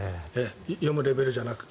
読むレベルじゃなくて。